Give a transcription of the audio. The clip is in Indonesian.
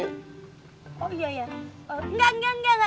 enggak enggak enggak